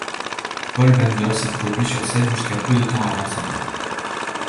Paul Bender s'est produit sur scène jusqu'à peu de temps avant sa mort.